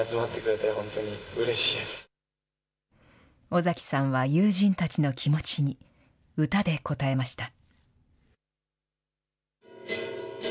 尾崎さんは友人たちの気持ちに、歌で応えました。